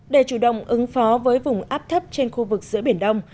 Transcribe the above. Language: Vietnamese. để chủ động ứng phó với vùng áp thấp trên khu vực giữa biển đông